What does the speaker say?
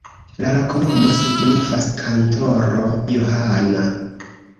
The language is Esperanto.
La loknomo signifas: kantoro-Johana.